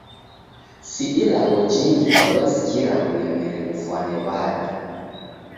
Si ilagho jingi kwaw'iasikira w'ulemeri ghugfwane w'ada.